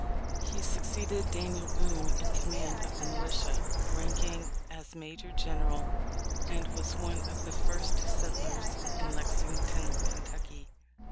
He succeeded Daniel Boone in command of the militia, ranking as major general, and was one of the first settlers in Lexington, Ky.